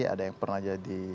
ada yang pernah jadi